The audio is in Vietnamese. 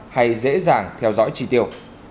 hay dễ dàng theo dõi trị tiêu